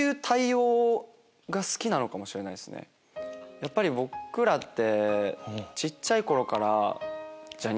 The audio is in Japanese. やっぱり僕らって。